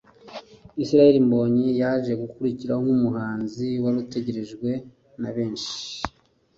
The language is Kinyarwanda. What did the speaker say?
Israel Mbonyi yaje gukurikiraho nk'umuhanzi wari utegerejwe na benshi